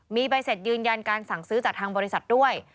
มีใบเสร็จยืนยันการสั่งซื้อจากทางบริษัทด้วย